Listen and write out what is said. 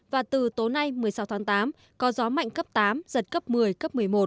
và từ tối nay một mươi sáu tháng tám có gió mạnh cấp tám giật cấp một mươi cấp một mươi một